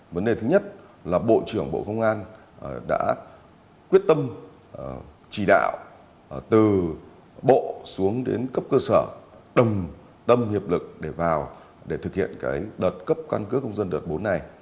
vấn đề thứ nhất là bộ trưởng bộ công an đã quyết tâm chỉ đạo từ bộ xuống đến cấp cơ sở đồng tâm hiệp lực để vào để thực hiện đợt cấp căn cứ công dân đợt bốn này